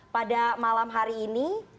pada malam hari ini